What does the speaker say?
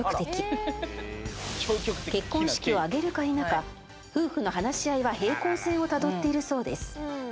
結婚式を挙げるか否か夫婦の話し合いは平行線をたどっているそうです。